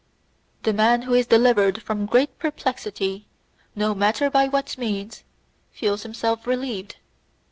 The man who is delivered from great perplexity, no matter by what means, feels himself relieved.